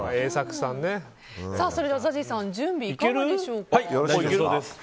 それではＺＡＺＹさん準備いかがでしょう。